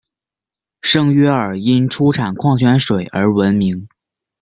圣约尔因出产矿泉水而闻名。